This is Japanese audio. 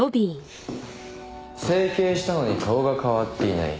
整形したのに顔が変わっていない。